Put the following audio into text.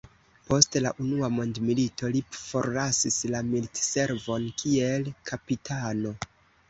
Post la Unua Mondmilito li forlasis la militservon kiel kapitano.